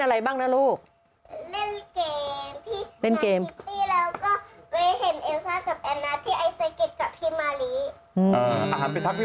ไปเห็นเอลซ่ากับแอนาที่ไอ้ใส่เกร็ดกับพี่มารี